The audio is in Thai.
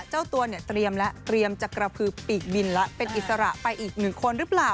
เจ้าตัวเนี่ยเตรียมแล้วเตรียมจะกระพือปีกบินแล้วเป็นอิสระไปอีกหนึ่งคนหรือเปล่า